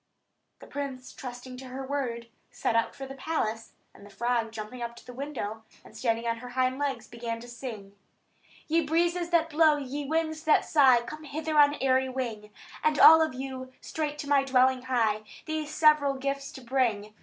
The prince, trusting to her word, set out for the palace; and the frog jumped up to the window, and standing on her hind legs, began to sing: "Ye breezes that blow, ye winds that sigh, Come hither on airy wing; And all of you straight to my dwelling hie, These several gifts to bring.